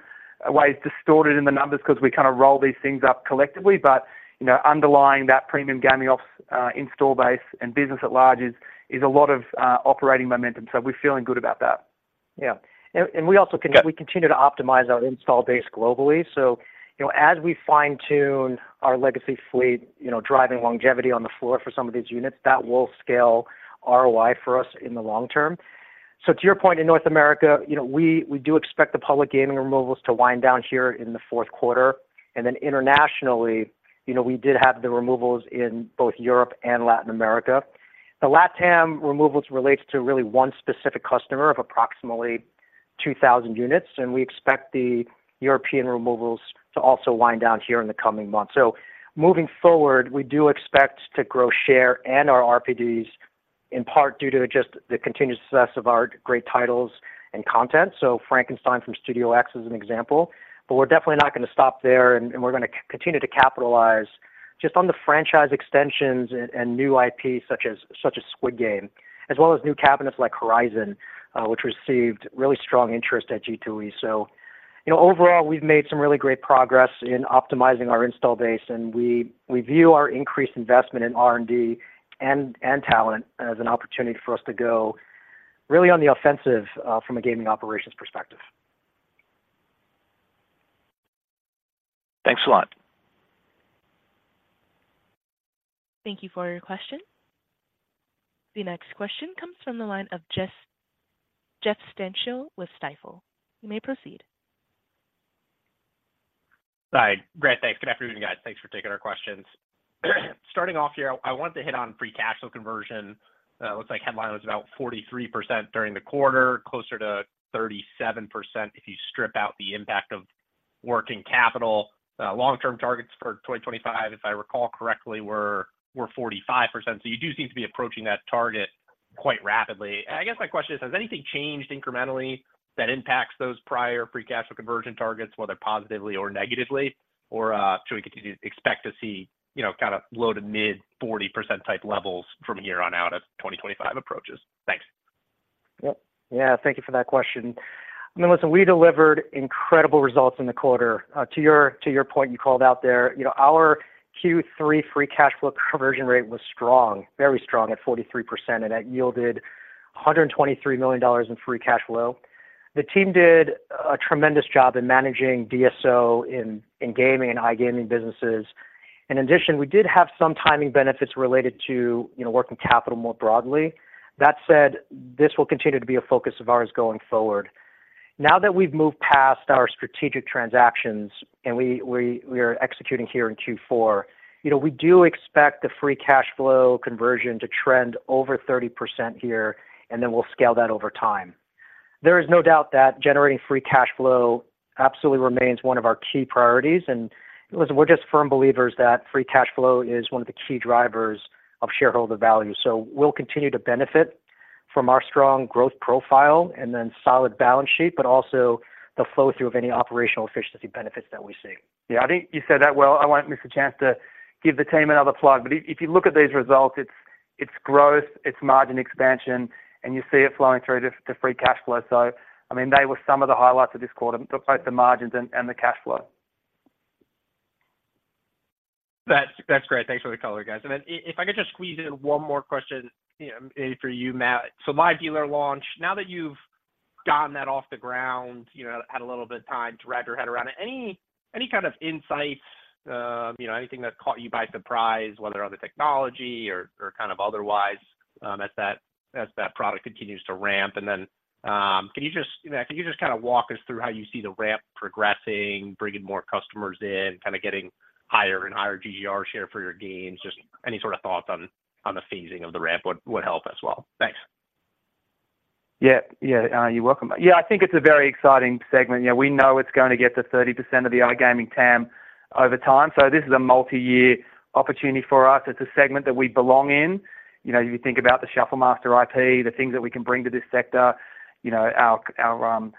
ways distorted in the numbers because we kind of roll these things up collectively, but you know, underlying that premium gaming ops install base and business at large is a lot of operating momentum, so we're feeling good about that. Yeah. And we also continue to optimize our install base globally. So you know, as we fine-tune our legacy fleet, you know, driving longevity on the floor for some of these units, that will scale ROI for us in the long term. So to your point, in North America, you know, we do expect the public gaming removals to wind down here in the fourth quarter. And then internationally, you know, we did have the removals in both Europe and Latin America. The LatAm removals relates to really one specific customer of approximately 2,000 units, and we expect the European removals to also wind down here in the coming months. So moving forward, we do expect to grow share and our RPDs, in part due to just the continuous success of our great titles and content. So Frankenstein from Studio X is an example, but we're definitely not going to stop there, and we're going to continue to capitalize just on the franchise extensions and new IP, such as Squid Game, as well as new cabinets like Horizon, which received really strong interest at G2E. So, you know, overall, we've made some really great progress in optimizing our install base, and we view our increased investment in R&D and talent as an opportunity for us to go really on the offensive from a gaming operations perspective. Thanks a lot. Thank you for your question. The next question comes from the line of Jeff Stantial with Stifel. You may proceed. Hi. Great, thanks. Good afternoon, guys. Thanks for taking our questions. Starting off here, I want to hit on free cash flow conversion. Looks like headline was about 43% during the quarter, closer to 37% if you strip out the impact of working capital. Long-term targets for 2025, if I recall correctly, were 45%. So you do seem to be approaching that target quite rapidly. I guess my question is, has anything changed incrementally that impacts those prior free cash flow conversion targets, whether positively or negatively? Or should we continue to expect to see, you know, kind of low- to mid-40% type levels from here on out as 2025 approaches? Thanks. Yep. Yeah, thank you for that question. I mean, listen, we delivered incredible results in the quarter. To your point, you called out there, you know, our Q3 free cash flow conversion rate was strong, very strong, at 43%, and that yielded $123 million in free cash flow. The team did a tremendous job in managing DSO in gaming and iGaming businesses. In addition, we did have some timing benefits related to, you know, working capital more broadly. That said, this will continue to be a focus of ours going forward. Now that we've moved past our strategic transactions and we are executing here in Q4, you know, we do expect the free cash flow conversion to trend over 30% here, and then we'll scale that over time. There is no doubt that generating free cash flow absolutely remains one of our key priorities. Listen, we're just firm believers that free cash flow is one of the key drivers of shareholder value. We'll continue to benefit from our strong growth profile and then solid balance sheet, but also the flow-through of any operational efficiency benefits that we see. Yeah, I think you said that well. I won't miss a chance to give the team another plug, but if you look at these results, it's growth, it's margin expansion, and you see it flowing through to free cash flow. So I mean, they were some of the highlights of this quarter, both the margins and the cash flow. That's great. Thanks for the color, guys. And then if I could just squeeze in one more question, you know, maybe for you, Matt. So MyDealerLaunch, now that you've gotten that off the ground, you know, had a little bit of time to wrap your head around it, any kind of insights, you know, anything that caught you by surprise, whether on the technology or kind of otherwise, as that product continues to ramp? And then, can you just, you know, can you just kind of walk us through how you see the ramp progressing, bringing more customers in, kind of getting higher and higher GGR share for your gaming? Just any sort of thoughts on the phasing of the ramp would help as well. Thanks.... Yeah, yeah, you're welcome. But yeah, I think it's a very exciting segment. Yeah, we know it's going to get to 30% of the iGaming TAM over time. So this is a multi-year opportunity for us. It's a segment that we belong in. You know, you think about the Shuffle Master IP, the things that we can bring to this sector, you know, our, our,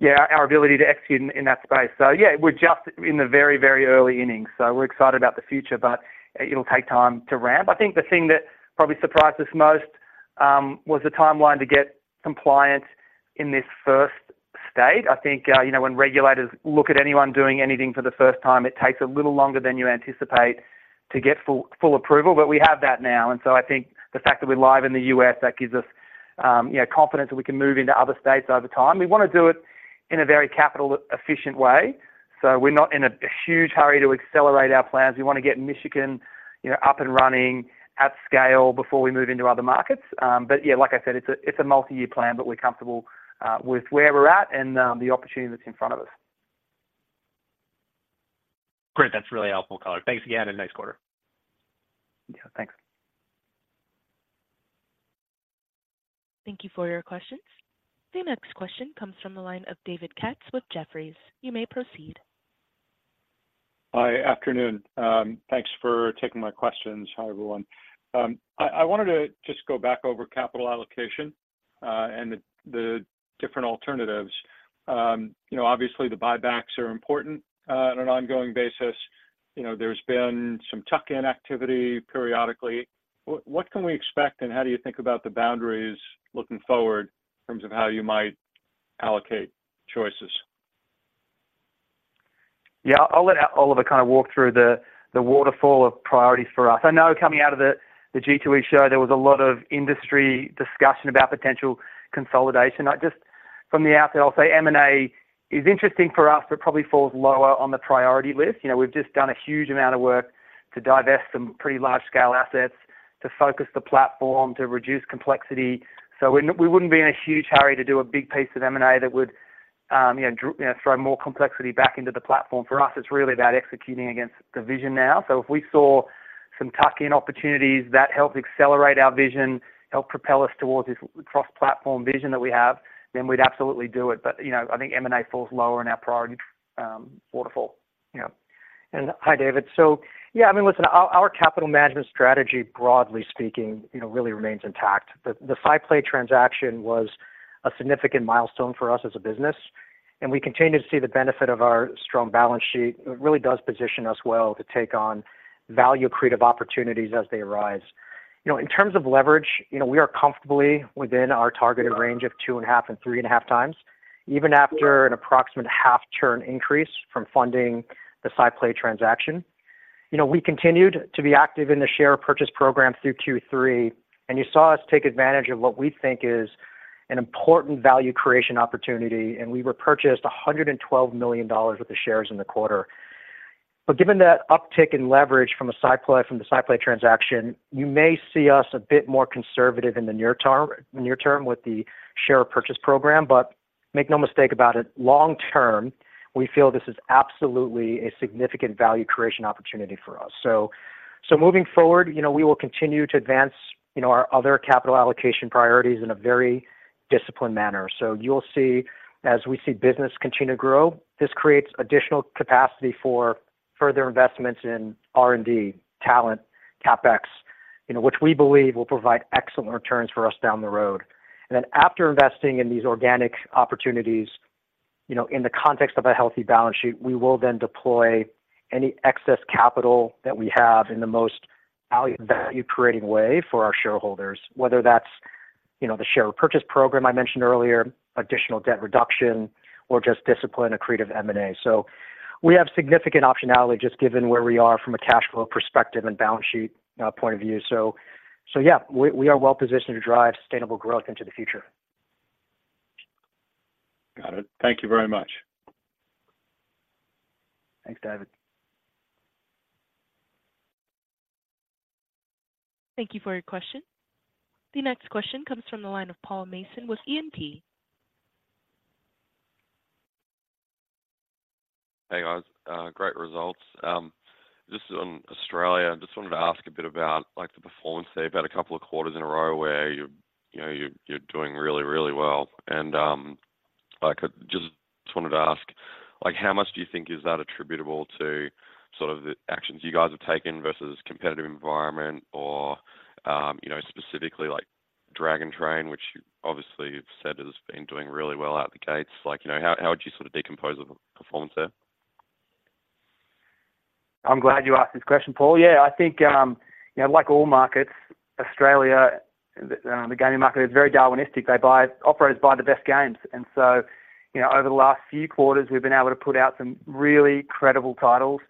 yeah, our ability to execute in, in that space. So yeah, we're just in the very, very early innings, so we're excited about the future, but it'll take time to ramp. I think the thing that probably surprised us most was the timeline to get compliant in this first state. I think, you know, when regulators look at anyone doing anything for the first time, it takes a little longer than you anticipate to get full, full approval. But we have that now, and so I think the fact that we're live in the U.S., that gives us, you know, confidence that we can move into other states over time. We want to do it in a very capital efficient way, so we're not in a huge hurry to accelerate our plans. We want to get Michigan, you know, up and running at scale before we move into other markets. But yeah, like I said, it's a, it's a multi-year plan, but we're comfortable with where we're at and the opportunity that's in front of us. Great. That's really helpful, Colin. Thanks again, and nice quarter. Yeah, thanks. Thank you for your questions. The next question comes from the line of David Katz with Jefferies. You may proceed. Hi, afternoon. Thanks for taking my questions. Hi, everyone. I wanted to just go back over capital allocation and the different alternatives. You know, obviously, the buybacks are important on an ongoing basis. You know, there's been some tuck-in activity periodically. What can we expect, and how do you think about the boundaries looking forward in terms of how you might allocate choices? Yeah, I'll let Oliver kind of walk through the waterfall of priorities for us. I know coming out of the G2E show, there was a lot of industry discussion about potential consolidation. I just from the outset, I'll say M&A is interesting for us, but probably falls lower on the priority list. You know, we've just done a huge amount of work to divest some pretty large-scale assets, to focus the platform, to reduce complexity. So we wouldn't be in a huge hurry to do a big piece of M&A that would, you know, throw more complexity back into the platform. For us, it's really about executing against the vision now. So if we saw some tuck-in opportunities that help accelerate our vision, help propel us towards this cross-platform vision that we have, then we'd absolutely do it. You know, I think M&A falls lower in our priority waterfall. Yeah. And hi, David. So yeah, I mean, listen, our capital management strategy, broadly speaking, you know, really remains intact. The SciPlay transaction was a significant milestone for us as a business, and we continue to see the benefit of our strong balance sheet. It really does position us well to take on value creative opportunities as they arise. You know, in terms of leverage, you know, we are comfortably within our targeted range of 2.5x to 3.5x, even after an approximate 0.5-turn increase from funding the SciPlay transaction. You know, we continued to be active in the share purchase program through Q3, and you saw us take advantage of what we think is an important value creation opportunity, and we repurchased $112 million worth of shares in the quarter. But given that uptick in leverage from a SciPlay, from the SciPlay transaction, you may see us a bit more conservative in the near term, near term with the share purchase program. But make no mistake about it, long-term, we feel this is absolutely a significant value creation opportunity for us. So, so moving forward, you know, we will continue to advance, you know, our other capital allocation priorities in a very disciplined manner. So you'll see, as we see business continue to grow, this creates additional capacity for further investments in R&D, talent, CapEx, you know, which we believe will provide excellent returns for us down the road. And then after investing in these organic opportunities, you know, in the context of a healthy balance sheet, we will then deploy any excess capital that we have in the most value, value creating way for our shareholders, whether that's, you know, the share purchase program I mentioned earlier, additional debt reduction, or just discipline, accretive M&A. So we have significant optionality just given where we are from a cash flow perspective and balance sheet point of view. So yeah, we are well positioned to drive sustainable growth into the future. Got it. Thank you very much. Thanks, David. Thank you for your question. The next question comes from the line of Paul Mason with E&P. Hey, guys, great results. Just on Australia, I just wanted to ask a bit about, like, the performance there. You've had a couple of quarters in a row where you're, you know, doing really, really well. And I just wanted to ask, like, how much do you think is that attributable to sort of the actions you guys have taken versus competitive environment or, you know, specifically like Dragon Train, which obviously you've said has been doing really well out the gates? Like, you know, how would you sort of decompose the performance there? I'm glad you asked this question, Paul. Yeah, I think, you know, like all markets, Australia, the gaming market is very Darwinistic. They buy... Operators buy the best games. And so, you know, over the last few quarters, we've been able to put out some really incredible titles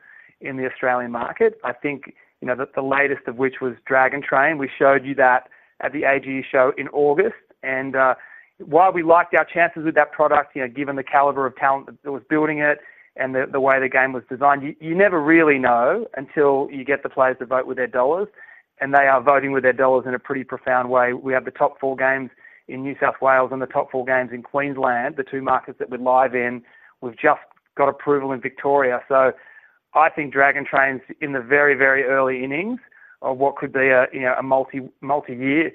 in the Australian market. I think, you know, the latest of which was Dragon Train. We showed you that at the AGE show in August, and while we liked our chances with that product, you know, given the caliber of talent that was building it and the way the game was designed, you never really know until you get the players to vote with their dollars, and they are voting with their dollars in a pretty profound way. We have the top four games in New South Wales and the top four games in Queensland, the two markets that we're live in. We've just got approval in Victoria, so I think Dragon Train's in the very, very early innings of what could be a, you know, a multi-year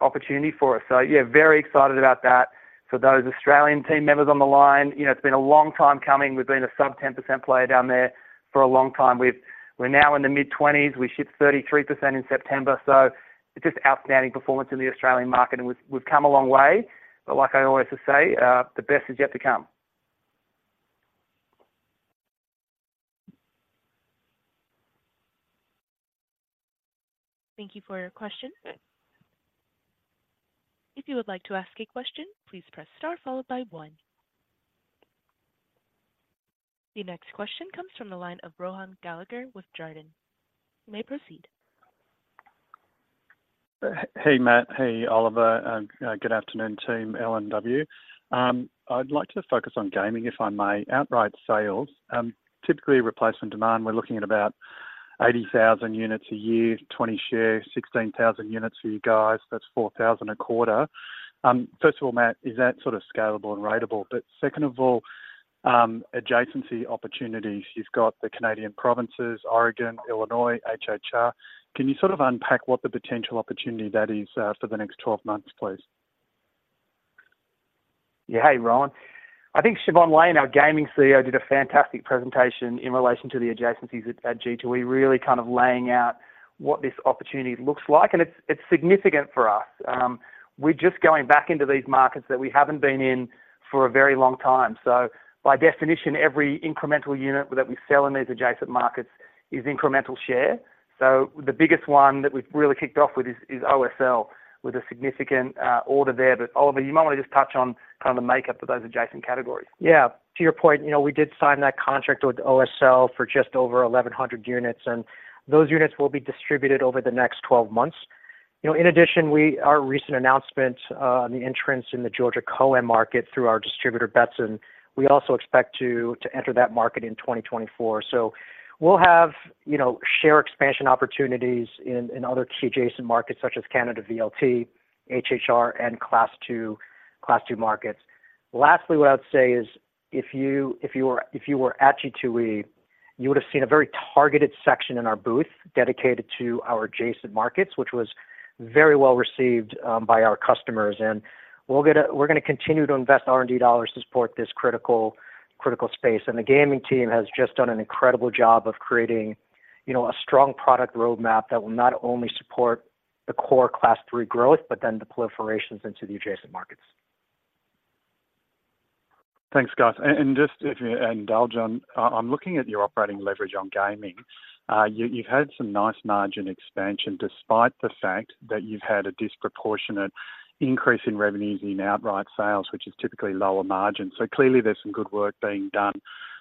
opportunity for us. So yeah, very excited about that. For those Australian team members on the line, you know, it's been a long time coming. We've been a sub 10% player down there for a long time. We're now in the mid-20s. We shipped 33% in September, so just outstanding performance in the Australian market, and we've come a long way. But like I always say, the best is yet to come. Thank you for your question. If you would like to ask a question, please press Star, followed by one. The next question comes from the line of Rohan Gallagher with Jarden. You may proceed. Hey, Matt. Hey, Oliver, and good afternoon, team LNW. I'd like to focus on gaming, if I may. Outright sales, typically replacement demand, we're looking at about 80,000 units a year, 20% share, 16,000 units a year, guys, that's 4,000 a quarter. First of all, Matt, is that sort of scalable and ratable? But second of all, adjacency opportunities. You've got the Canadian provinces, Oregon, Illinois, HHR. Can you sort of unpack what the potential opportunity that is for the next 12 months, please? Yeah. Hey, Rohan. I think Siobhan Lane, our Gaming CEO, did a fantastic presentation in relation to the adjacencies at G2E, really kind of laying out what this opportunity looks like, and it's significant for us. We're just going back into these markets that we haven't been in for a very long time. So by definition, every incremental unit that we sell in these adjacent markets is incremental share. So the biggest one that we've really kicked off with is OSL, with a significant order there. But Oliver, you might want to just touch on kind of the makeup of those adjacent categories. Yeah. To your point, you know, we did sign that contract with OSL for just over 1,100 units, and those units will be distributed over the next 12 months. You know, in addition, our recent announcement on the entrance in the Georgia COAM market through our distributor, Betson, we also expect to enter that market in 2024. So we'll have, you know, share expansion opportunities in other key adjacent markets such as Canada, VLT, HHR, and Class 2, Class 2 markets. Lastly, what I'd say is if you were at G2E, you would have seen a very targeted section in our booth dedicated to our adjacent markets, which was very well received by our customers. And we'll get a... We're gonna continue to invest R&D dollars to support this critical, critical space. The gaming team has just done an incredible job of creating, you know, a strong product roadmap that will not only support the core Class III growth, but then the proliferations into the adjacent markets. Thanks, guys. And just if you indulge on, I'm looking at your operating leverage on gaming. You've had some nice margin expansion, despite the fact that you've had a disproportionate increase in revenues in outright sales, which is typically lower margin. So clearly, there's some good work being done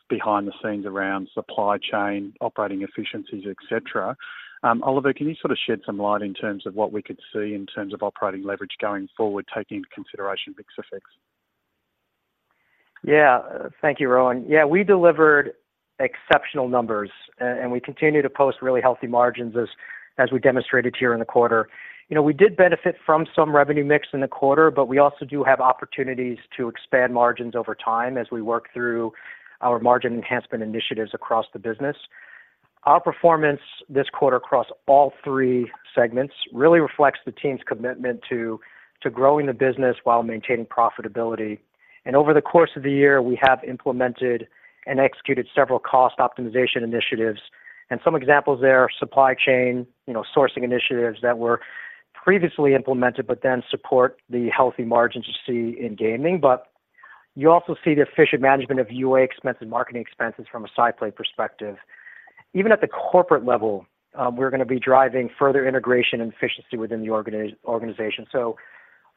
behind the scenes around supply chain, operating efficiencies, et cetera. Oliver, can you sort of shed some light in terms of what we could see in terms of operating leverage going forward, taking into consideration mix effects? Yeah. Thank you, Rohan. Yeah, we delivered exceptional numbers, and we continue to post really healthy margins as we demonstrated here in the quarter. You know, we did benefit from some revenue mix in the quarter, but we also do have opportunities to expand margins over time as we work through our margin enhancement initiatives across the business. Our performance this quarter across all three segments really reflects the team's commitment to growing the business while maintaining profitability. And over the course of the year, we have implemented and executed several cost optimization initiatives. And some examples there, supply chain, you know, sourcing initiatives that were previously implemented, but then support the healthy margins you see in gaming. But you also see the efficient management of UA expenses, marketing expenses from a SciPlay perspective. Even at the corporate level, we're gonna be driving further integration and efficiency within the organization. So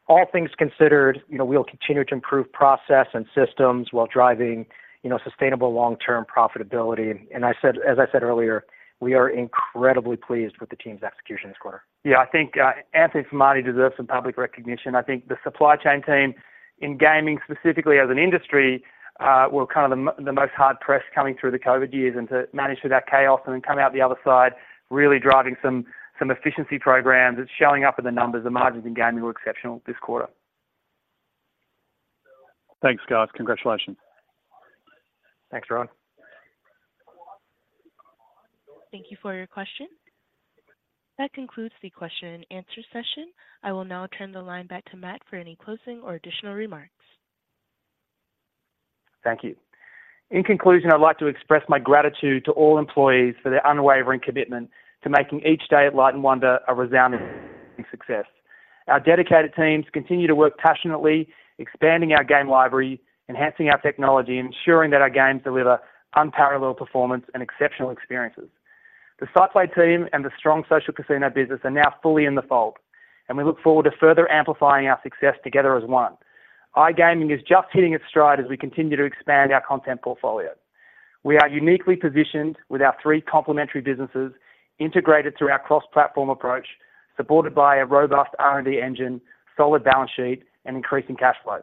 all things considered, you know, we'll continue to improve process and systems while driving, you know, sustainable long-term profitability. As I said earlier, we are incredibly pleased with the team's execution this quarter. Yeah, I think Anthony Firmani deserves some public recognition. I think the supply chain team in gaming, specifically as an industry, were kind of the most hard-pressed coming through the COVID years. And to manage through that chaos and then come out the other side, really driving some efficiency programs, it's showing up in the numbers. The margins in gaming were exceptional this quarter. Thanks, guys. Congratulations. Thanks, Rohan. Thank you for your question. That concludes the question and answer session. I will now turn the line back to Matt for any closing or additional remarks. Thank you. In conclusion, I'd like to express my gratitude to all employees for their unwavering commitment to making each day at Light & Wonder a resounding success. Our dedicated teams continue to work passionately, expanding our game library, enhancing our technology, and ensuring that our games deliver unparalleled performance and exceptional experiences. The SciPlay team and the strong Social Casino business are now fully in the fold, and we look forward to further amplifying our success together as one. iGaming is just hitting its stride as we continue to expand our content portfolio. We are uniquely positioned with our three complementary businesses integrated through our cross-platform approach, supported by a robust R&D engine, solid balance sheet, and increasing cash flow.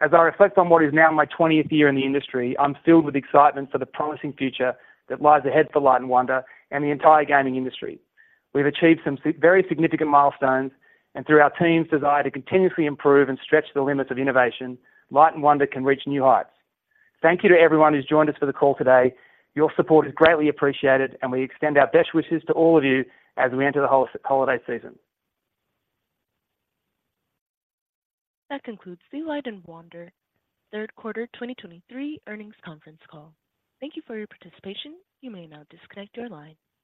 As I reflect on what is now my twentieth year in the industry, I'm filled with excitement for the promising future that lies ahead for Light & Wonder and the entire gaming industry. We've achieved some very significant milestones, and through our team's desire to continuously improve and stretch the limits of innovation, Light & Wonder can reach new heights. Thank you to everyone who's joined us for the call today. Your support is greatly appreciated, and we extend our best wishes to all of you as we enter the holiday season. That concludes the Light & Wonder third quarter 2023 earnings conference call. Thank you for your participation. You may now disconnect your line.